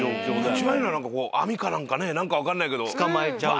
一番いいのは網か何かね何か分かんないけどばーって。